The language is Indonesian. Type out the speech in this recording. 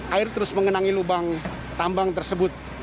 air terus mengenangi lubang tambang tersebut